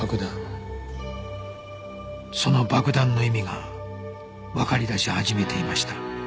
その「爆弾」の意味がわかり出し始めていました